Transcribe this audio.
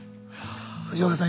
藤岡さん